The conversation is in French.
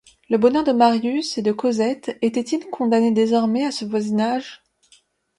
Le bonheur de Marius et de Cosette était-il condamné désormais à ce voisinage?